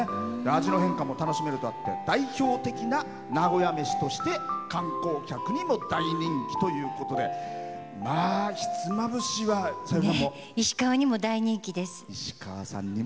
味の変化も楽しめるとあって代表的な名古屋めしとして観光客にも大人気ということでひつまぶしは、さゆりさんも？